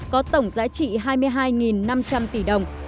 có tổng giá trị hai mươi hai năm trăm linh tỷ đồng